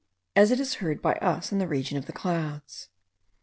as it is heard by us in the region of the clouds.